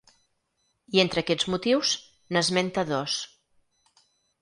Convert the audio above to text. I entre aquests motius, n’esmenta dos.